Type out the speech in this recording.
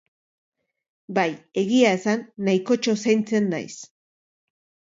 Bai, egia esan nahikotxo zaintzen naiz.